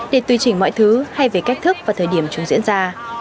để tùy chỉnh mọi thứ hay về cách thức và thời điểm chúng diễn ra